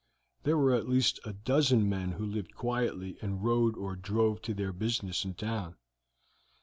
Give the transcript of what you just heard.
There were at least a dozen men who lived quietly and rode or drove to their business in town.